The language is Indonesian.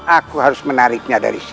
aku harus menariknya dari sini